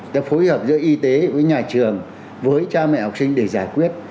người ta phối hợp giữa y tế với nhà trường với cha mẹ học sinh để giải quyết